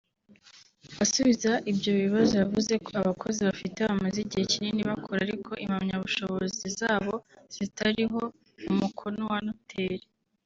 Asubiza ibyo bibazo yavuze ko abakozi bafite bamaze igihe kinini bakora ariko impamyabushobozi zabo zitariho umukono wa Noteri